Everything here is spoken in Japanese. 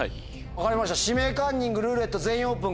分かりました「指名カンニング」「ルーレット」「全員オープン」